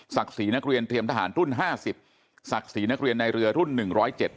ศรีนักเรียนเตรียมทหารรุ่นห้าสิบศักดิ์ศรีนักเรียนในเรือรุ่นหนึ่งร้อยเจ็ด